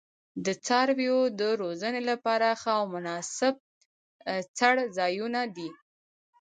د څارویو د روزنې لپاره ښه او مناسب څړځایونه دي.